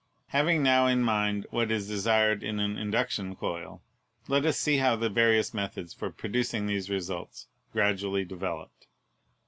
Having now in mind what is desired in an induction coil, let us see how the various methods for producing these results gradually developed.